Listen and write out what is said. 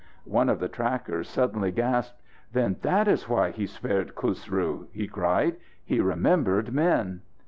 One of the trackers suddenly gasped. "Then that is why he spared Khusru!" he cried. "He remembered men."